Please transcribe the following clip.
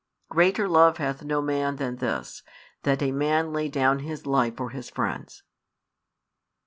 Greater love hath no man than this, that a man lay down his life for his friends.